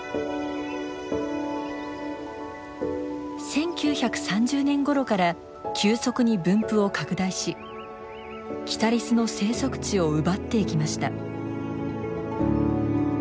１９３０年ごろから急速に分布を拡大しキタリスの生息地を奪っていきました。